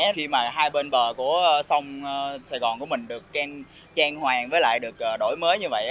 khi mà hai bên bờ của sông sài gòn của mình được trang hoàng với lại được đổi mới như vậy